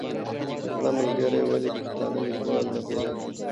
تکړه ملګري ولې پښتانه لیکوالان نه پیدا کوي؟